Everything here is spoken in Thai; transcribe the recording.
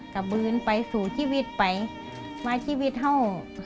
กระบือนไปสู่ชีวิตไปมาชีวิตเฮ่า